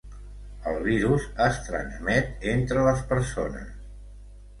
El virus es transmet entre les persones.